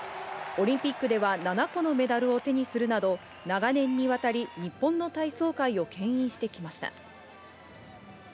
オリンピックでは７個のメダルを手にするなど長年にわたり日本の体操界を牽引してきました。